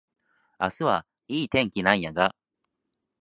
明日はいい天気なんやが